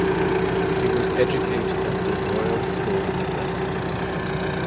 He was educated at the Royal School in Wesel.